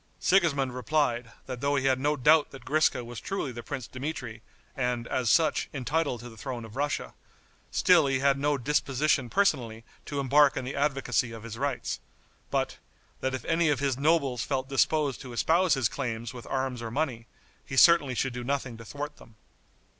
Sigismond replied, that though he had no doubt that Griska was truly the Prince Dmitri, and, as such, entitled to the throne of Russia, still he had no disposition personally to embark in the advocacy of his rights; but, that if any of his nobles felt disposed to espouse his claims with arms or money, he certainly should do nothing to thwart them.